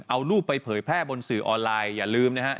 เอารูปไปเผยแพร่บนสื่อออนไลน์อย่าลืมนะฮะ